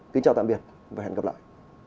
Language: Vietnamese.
kính chào tạm biệt và hẹn gặp lại